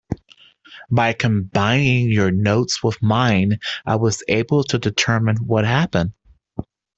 By combining your notes with mine, I was able to determine what happened.